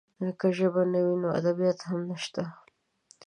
که ژبه نه وي، نو ادبیات هم نشته.